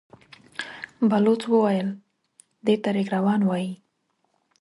بلوڅ وويل: دې ته رېګ روان وايي.